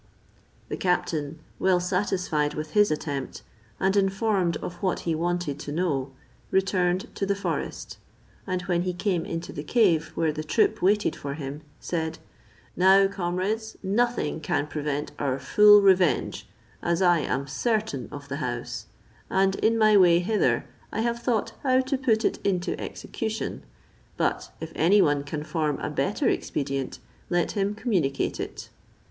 The captain, well satisfied with his attempt, and informed of what he wanted to know, returned to the forest; and when he came into the cave, where the troop waited for him, said, "Now, comrades, nothing can prevent our full revenge, as I am certain of the house, and in my way hither I have thought how to put it into execution, but if any one can form a better expedient, let him communicate it."